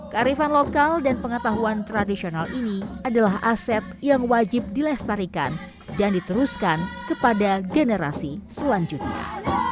kearifan lokal dan pengetahuan tradisional ini adalah aset yang wajib dilestarikan dan diteruskan kepada generasi selanjutnya